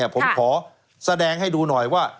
ผมขอแสดงให้ดูหน่อยว่า